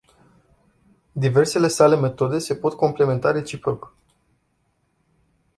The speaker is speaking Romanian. Diversele sale metode se pot complementa reciproc.